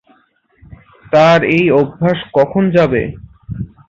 তার এই অভ্যাস কখন যাবে?